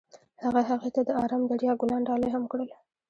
هغه هغې ته د آرام دریا ګلان ډالۍ هم کړل.